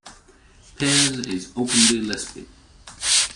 Peirce is openly lesbian.